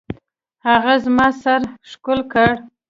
هغه زما سر ښکل کړ.